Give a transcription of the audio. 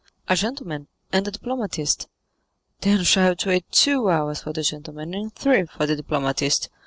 "A gentleman, and a diplomatist." "Then we shall have to wait two hours for the gentleman, and three for the diplomatist.